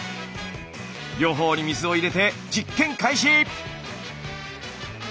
両方に水を入れて実験開始！